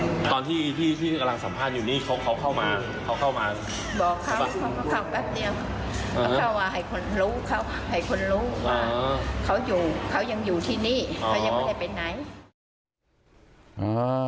ให้คนรู้ว่าเขายังอยู่ที่นี่เขายังไม่ได้ไปไหน